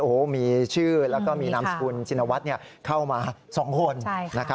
ก็มีชื่อและก็มีคนนามสกุลชินวัฒน์เข้ามาส่องห่วน